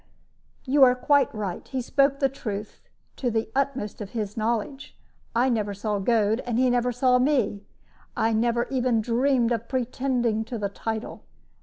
"You are quite right; he spoke the truth to the utmost of his knowledge. I never saw Goad, and he never saw me. I never even dreamed of pretending to the title.